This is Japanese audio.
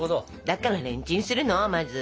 だからレンチンするのまず。